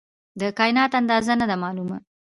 د کائنات اندازه نه ده معلومه.